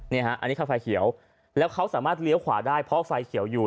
นี่ฮะอันนี้คือไฟเขียวแล้วเขาสามารถเลี้ยวขวาได้เพราะไฟเขียวอยู่